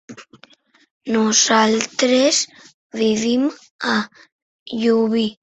Nosaltres vivim a Llubí.